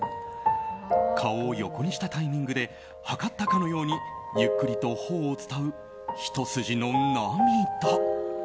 顔を横にしたタイミングで計ったかのようにゆっくりと頬を伝うひと筋の涙。